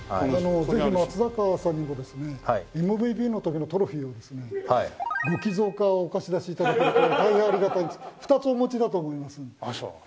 ぜひ松坂さんにもですねＭＶＰの時のトロフィーをですねご寄贈かお貸し出し頂けると大変ありがたいんですけど２つお持ちだと思いますので。